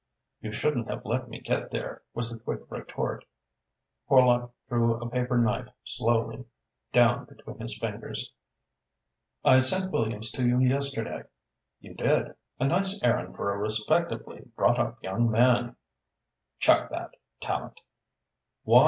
"You shouldn't have let me get there," was the quick retort. Horlock drew a paper knife slowly down between his fingers. "I sent Williams to you yesterday." "You did. A nice errand for a respectably brought up young man!" "Chuck that, Tallente." "Why?